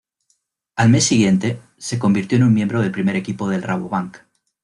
Al mes siguiente, se convirtió en miembro del primer equipo del Rabobank.